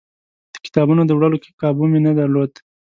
د کتابونو د وړلو کابو مې نه درلود.